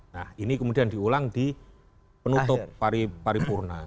nah ini kemudian diulang di penutup paripurna